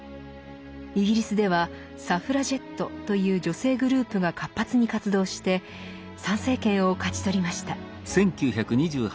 イギリスではサフラジェットという女性グループが活発に活動して参政権を勝ち取りました。